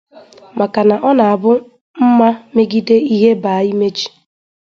maka na ọ na-abụ mmà megide ihe bàá ime ji